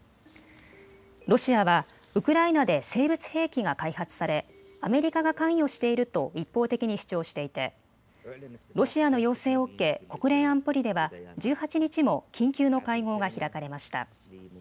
ロシアはウクライナで生物兵器が開発され、アメリカが関与していると一方的に主張していてロシアの要請を受け国連安保理では１８日も緊急の会合が開かれました。